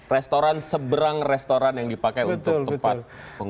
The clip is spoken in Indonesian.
restoran seberang restoran yang dipakai untuk tempat pengungsi